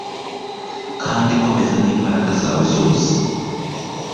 Kandi komeza nimbaraga zawe zose